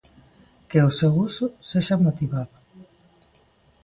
Que o seu uso sexa motivado.